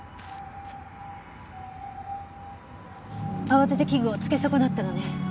慌てて器具をつけ損なったのね。